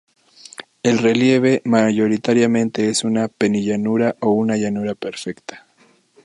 El relieve mayoritariamente es una penillanura o una llanura perfecta.